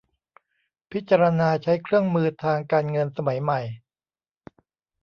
พิจารณาใช้เครื่องมือทางการเงินสมัยใหม่